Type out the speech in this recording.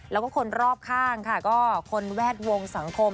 แล้วก็คนรอบข้างค่ะก็คนแวดวงสังคม